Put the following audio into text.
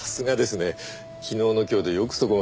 昨日の今日でよくそこまで。